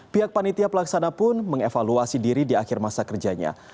pihak panitia pelaksana pun mengevaluasi diri di akhir masa kerjanya